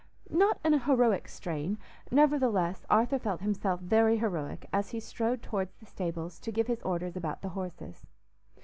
Not an heroic strain; nevertheless Arthur felt himself very heroic as he strode towards the stables to give his orders about the horses.